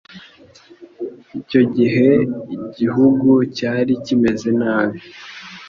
Icyo gihe igihugu cyari kimeze nabi.